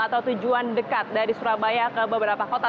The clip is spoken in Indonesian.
atau tujuan dekat dari surabaya ke beberapa kota